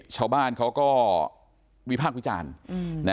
ชาวบ้านเขาก็วิพากษ์วิจารณ์